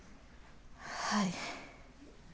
はい。